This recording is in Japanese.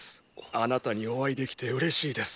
あなたにお会いできて嬉しいです。